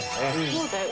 そうだよ。